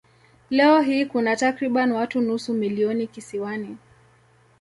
Leo hii kuna takriban watu nusu milioni kisiwani.